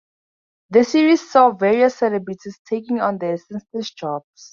The series saw various celebrities taking on their ancestors' jobs.